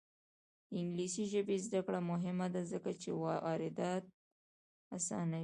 د انګلیسي ژبې زده کړه مهمه ده ځکه چې واردات اسانوي.